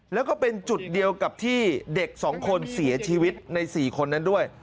แล้วก็เป็นจุดเดียวกับที่เด็ก๒คนเสียชีวิตใน๔คนนั้นด้วย